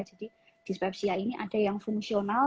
jadi dispepsia ini ada yang fungsional